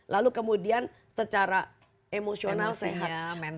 lalu kemudian secara emosional sehat